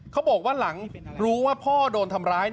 เขาบอกว่าหลังรู้ว่าพ่อโดนทำร้าย